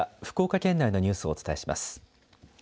福岡県内のニュースをお伝えします。